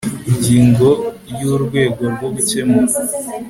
ingingo ya urwego rwo gukemura